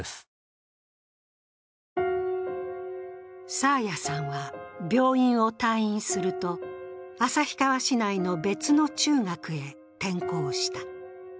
爽彩さんは病院を退院すると、旭川市内の別の中学へ転校した。